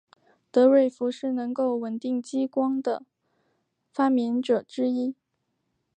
德瑞福是能够稳定激光的的发明者之一。